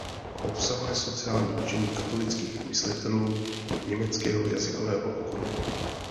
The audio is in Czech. Obsahuje sociální učení katolických myslitelů německého jazykového okruhu.